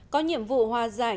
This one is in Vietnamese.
có nhiệm vụ hòa giải